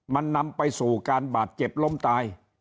มันนำไปสู่การบาดเจ็บล้มตาย